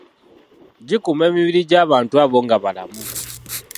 Gikuuma emibiri gy’abantu abo nga balamu.